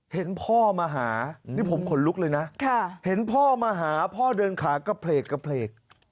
เห็นพ่อมาหานี่ผมขนลุกเลยนะเห็นพ่อมาหาพ่อเดินขากระเพลกกระเพลก